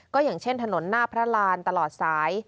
ก็อย่างเช่นถนนหน้าพระรานตลอดสาย